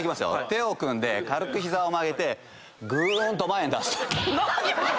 手を組んで軽く膝を曲げてぐーんと前に出すと。